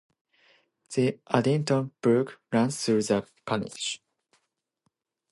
The Addington Brook runs through the parish.